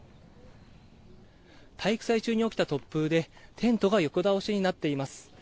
体育祭中に起きた突風でテントが横倒しになっています。